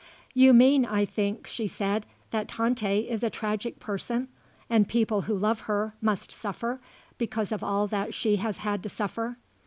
"You mean, I think," she said, "that Tante is a tragic person and people who love her must suffer because of all that she has had to suffer."